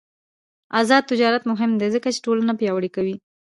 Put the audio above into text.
آزاد تجارت مهم دی ځکه چې ټولنه پیاوړې کوي.